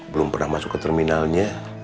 belum pernah masuk ke terminalnya